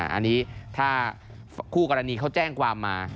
อันนี้ถ้าคู่กรณีเขาแจ้งความมา